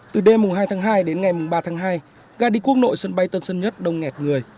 từ đêm hai tháng hai đến ngày ba tháng hai ga đi quốc nội sân bay tân sơn nhất đông nghẹt người